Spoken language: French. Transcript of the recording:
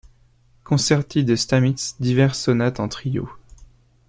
Concerti de Stamitz, diverses sonates en trio.